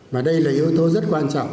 và đây là yếu tố rất quan trọng